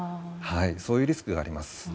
そういうリスクがあります。